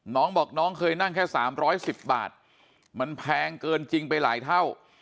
น้องบอกน้องเคยนั่งแค่๓๑๐บาทมันแพงเกินจริงไปหลายเท่า